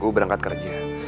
gue berangkat kerja